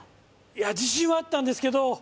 いや自信はあったんですけど